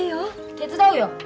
手伝うよ。